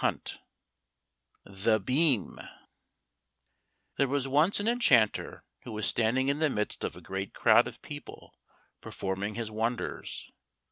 149 The Beam There was once an enchanter who was standing in the midst of a great crowd of people performing his wonders.